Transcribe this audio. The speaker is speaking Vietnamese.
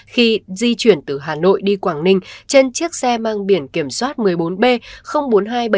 khi di chuyển từ hà nội đi quảng ninh trên chiếc xe mang biển kiểm soát một mươi bốn b bốn nghìn hai trăm bảy mươi